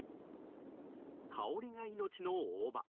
香りが命の大葉。